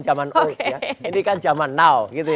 zaman old ya ini kan zaman now